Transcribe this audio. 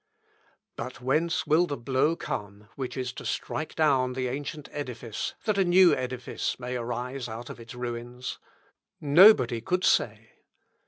But whence will the blow come which is to strike down the ancient edifice, that a new edifice may arise out of its ruins? Nobody could say.